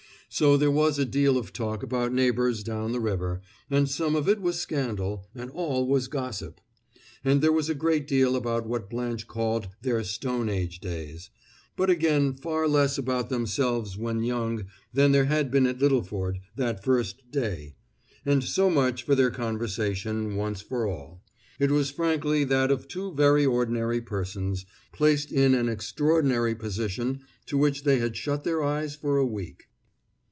So there was a deal of talk about neighbors down the river, and some of it was scandal, and all was gossip; and there was a great deal about what Blanche called their stone age days, but again far less about themselves when young than there had been at Littleford, that first day. And so much for their conversation, once for all; it was frankly that of two very ordinary persons, placed in an extraordinary position to which they had shut their eyes for a week.